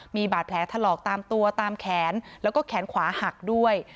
มีบาดแผลถลอกตามตัวตามแขนแล้วก็แขนขวาหักด้วย